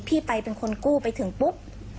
พี่ไปเป็นคนกู้ไปถึงปุ๊บ